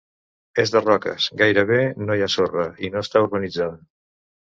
És de roques, gairebé no hi ha sorra i no està urbanitzada.